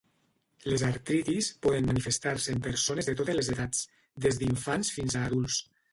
Les artritis poden manifestar-se en persones de totes les edats, des d'infants fins a adults.